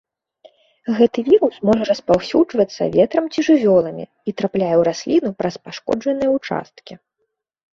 Гэты вірус можа распаўсюджвацца ветрам ці жывёламі і трапляе ў расліну праз пашкоджаныя ўчасткі.